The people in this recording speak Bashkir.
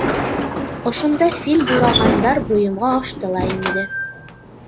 Ошонда Фил юрағандар бойомға ашты ла инде.